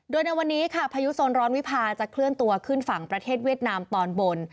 โดยในวันนี้ค่ะพายุโซนร้อนวิพาจะเคลื่อนตัวขึ้นฝั่งประเทศเวียดนามตอนบน